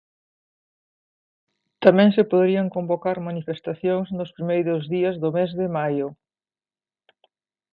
Tamén se poderían convocar manifestacións nos primeiros días do mes de maio.